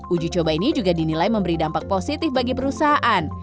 uji coba ini juga dinilai memberi dampak positif bagi perusahaan